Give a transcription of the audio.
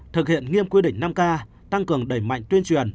thực hiện nghiêm quy định năm k tăng cường đẩy mạnh tuyên truyền